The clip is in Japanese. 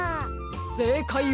せいかいは。